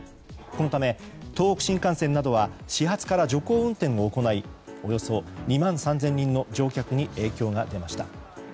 このため東北新幹線などは始発から徐行運転を行いおよそ２万３０００人の乗客に影響が出ました。